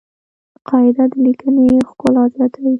قاعده د لیکني ښکلا زیاتوي.